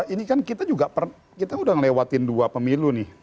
ini kan kita juga kita udah ngelewatin dua pemilu nih